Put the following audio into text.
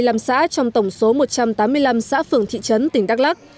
có một trăm hai mươi năm xã trong tổng số một trăm tám mươi năm xã phường thị trấn tỉnh đắk lắc